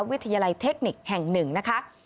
วิทยาลัยเทคนิคแห่ง๑นะคะ